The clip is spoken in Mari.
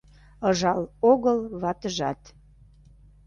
Ыжал огыл ватыжат